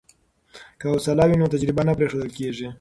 که حوصله وي نو تجربه نه پریښودل کیږي.